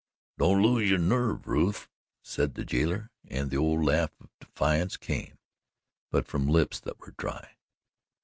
"Don't lose yo' nerve, Rufe," said the jailer, and the old laugh of defiance came, but from lips that were dry.